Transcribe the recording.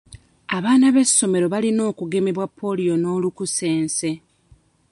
Abaana b'essomero balina okugemebwa Ppoliyo n'olukusense.